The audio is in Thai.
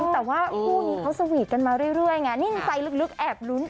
แต่ว่าคู่นี้เขาสวีทกันมาเรื่อยไงนิ่งใจลึกแอบลุ้น